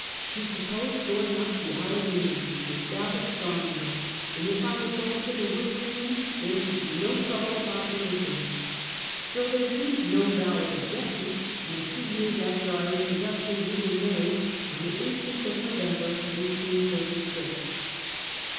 He proposed going up the Allegheny to establish saw mills, and if I would go into the woods with him, there should be no trouble about religion. So there seemed no valid objection, and two years after our in troduction we were married, on the 18th of ISTovem ber, 1836.